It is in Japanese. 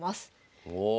おお。